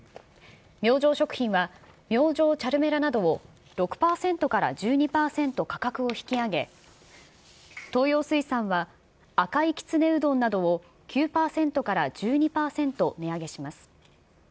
明星食品は、明星チャルメラなどを６％から１２％価格を引き上げ、東洋水産は、赤いきつねうどんなどを９％から１２％値上げします。